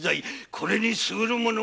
これにすぐるものはない。